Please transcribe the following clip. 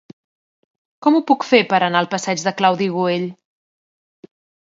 Com ho puc fer per anar al passeig de Claudi Güell?